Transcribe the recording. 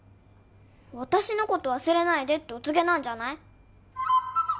私のこと忘れないでってお告げなんじゃない？